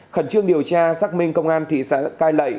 khẩn trương điều tra xác minh công an thị xã cai lệ